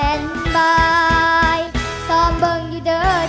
อั๋ทำจะส่งทางไปก่อน